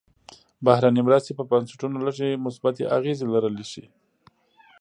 بهرنۍ مرستې پر بنسټونو لږې مثبتې اغېزې لرلی شي.